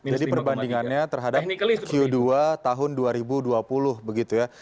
jadi perbandingannya terhadap q dua tahun dua ribu dua puluh begitu ya